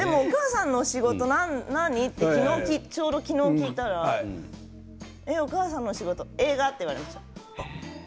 お母さんの仕事は何？って、ちょうど昨日、聞いたらお母さんの仕事は映画？って言われました。